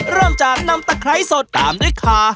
เริ่มจากนำตะไคร้สดตามด้วยขา